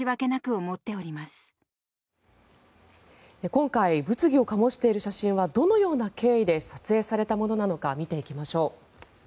今回物議を醸している写真はどのような経緯で撮影されたものなのか見ていきましょう。